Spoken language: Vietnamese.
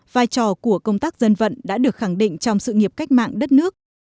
vai trò của công tác dân vận đã được khẳng định trong sự nghiệp cách mạng đất nước